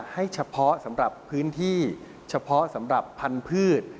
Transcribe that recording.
ให้เฉพาะสำหรับพื้นที่เฉพาะสำหรับพันธุ์พืช